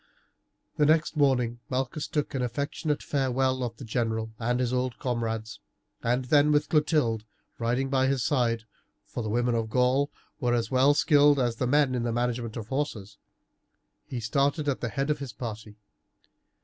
The next morning Malchus took an affectionate farewell of the general and his old comrades, and then, with Clotilde riding by his side for the women of the Gauls were as well skilled as the men in the management of horses he started at the head of his party.